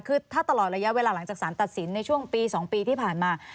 คือถ้าตลอดระยะเวลาหลังจากสารตัดสินในช่วงปี๒ปีที่ผ่านมา